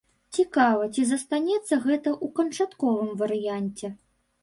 Цікава, ці застанецца гэта ў канчатковым варыянце.